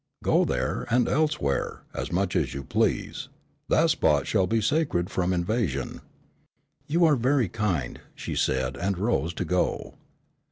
"Go there, and elsewhere, as much as you please. That spot shall be sacred from invasion." "You are very kind," she said and rose to go.